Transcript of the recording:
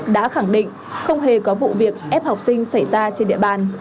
đã khẳng định không hề có vụ việc ép học sinh xảy ra trên địa bàn